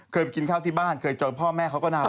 เคยไปกินข้าวที่บ้านเคยเจอพ่อแม่เขาก็นาน